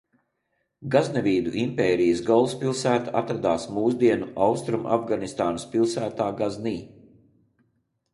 Gaznevīdu impērijas galvaspilsēta atradās mūsdienu Austrumafganistānas pilsētā Gaznī.